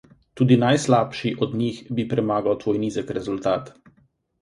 Tudi najslabši od njih bi premagal tvoj nizek rezultat.